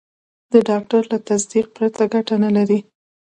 د ډاکټر له تصدیق پرته ګټه نه لري.